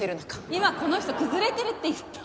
今この人「崩れてる」って言った？